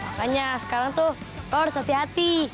makanya sekarang tuh kau harus hati hati